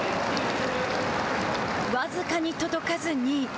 僅かに届かず２位。